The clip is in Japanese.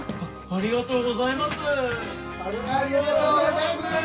ありがとうございます。